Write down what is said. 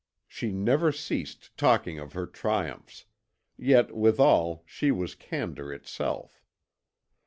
She never ceased talking of her triumphs, yet withal she was candour itself.